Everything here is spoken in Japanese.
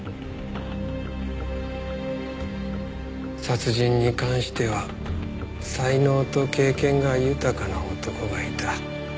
殺人に関しては才能と経験が豊かな男がいた。